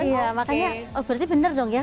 iya makanya berarti benar dong ya